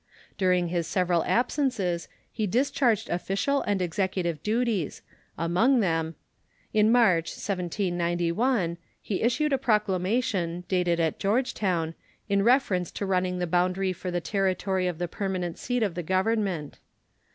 During his several absences he discharged official and executive duties; among them In March, 1791, he issued a proclamation, dated at Georgetown, in reference to running the boundary for the territory of the permanent seat of the Government.